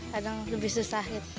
kadang lebih susah gitu